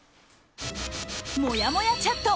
もやもやチャット